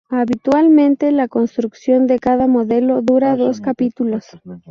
Habitualmente la construcción de cada modelo dura dos capítulos.